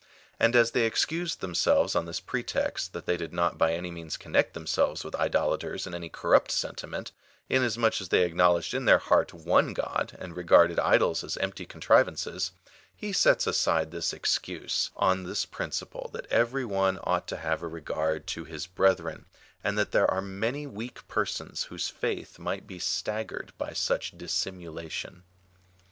And as they excused themselves on this pretext, that they did not by any means connect themselves with idolaters in any corrupt sentiment, inasmuch as they acknowledged in their heart one God, and regarded idols as empty contrivances, he sets aside this excuse, on this prin ciple that every one ought to have a regard to his brethren, 44 THE ARGUMENT ON THE and that there are many weak persons whose faith might be staggered by such dissimulation.